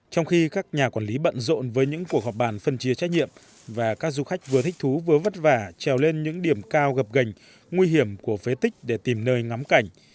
trong khi các nhà quản lý bận rộn với những cuộc họp bàn phân chia trách nhiệm và các du khách vừa thích thú vừa vất vả trèo lên những điểm cao gặp gành nguy hiểm của phế tích để tìm nơi ngắm cảnh